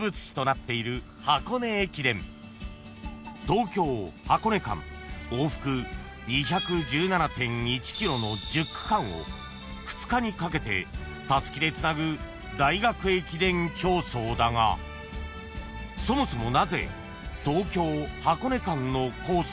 ［東京箱根間往復２１７．１ｋｍの１０区間を２日にかけてたすきでつなぐ大学駅伝競走だがそもそも］